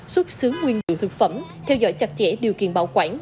xuất xứ nguyên liệu thực phẩm theo dõi chặt chẽ điều kiện bảo quản